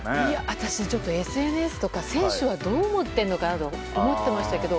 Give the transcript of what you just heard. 私、ＳＮＳとか選手はどう思ってるのかなと思ってましたけど。